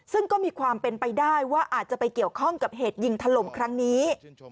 ซึ่งก็มีความเป็นไปได้ว่าอาจจะไปเกี่ยวข้องกับเหตุยิงถล่มครั้งนี้